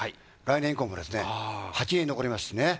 来年以降も８人残ります。